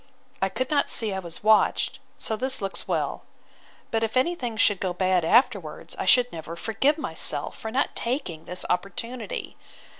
I could not see I was watched; so this looks well. But if any thing should go bad afterwards, I should never forgive myself, for not taking this opportunity.